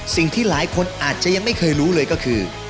สิ่งที่หลายคนอาจจะยังไม่เคยรู้เลยก็คือ